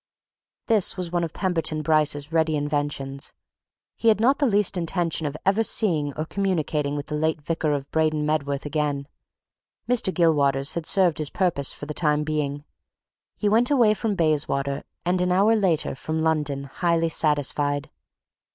This was one of Pemberton Bryce's ready inventions. He had not the least intention of ever seeing or communicating with the late vicar of Braden Medworth again; Mr. Gilwaters had served his purpose for the time being. He went away from Bayswater, and, an hour later, from London, highly satisfied.